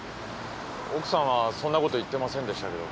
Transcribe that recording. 奥さんはそんなこと言ってませんでしたけど。